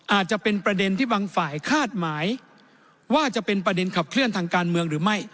อาจจะเป็นประเด็นที่บางฝ่ายคาดหมายว่าจะเป็นประเด็นขับเคลื่อนทางการเมืองหรือไม่